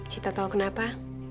sita tau kenapa